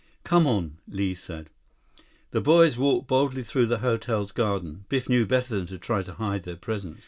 Come on," Li said. The boys walked boldly through the hotel's garden. Biff knew better than to try to hide their presence.